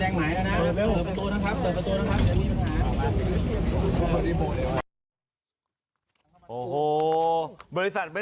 เดี๋ยวก็เปิดดิ